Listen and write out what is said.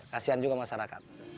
kasian juga masyarakat